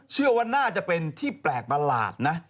เชื่อว่าน่าจะเป็นที่แปลกประหลาดนะ